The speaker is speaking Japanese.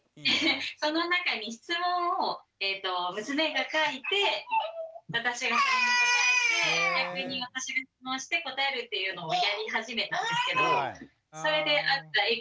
その中に質問を娘が書いて私がそれに答えて逆に私が質問して答えるっていうのをやり始めたんですけどそれであったエピソードとしてはなんで？